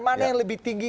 mana yang lebih tinggi